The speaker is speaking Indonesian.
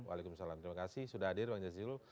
waalaikumsalam terima kasih sudah hadir bang jazilul